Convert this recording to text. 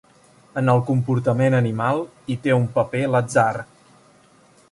En el comportament animal hi té un paper l'atzar.